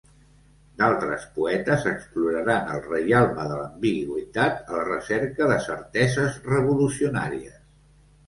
D'altres poetes exploraran el reialme de l'ambigüitat a la recerca de certeses revolucionàries.